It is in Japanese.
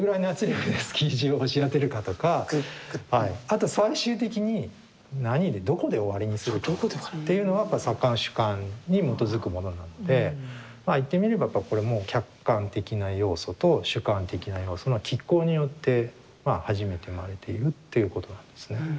あと最終的に何でどこで終わりにするかっていうのはやっぱ作家の主観に基づくものなので言ってみればやっぱこれも客観的な要素と主観的な要素のきっ抗によって初めて生まれているっていうことなんですね。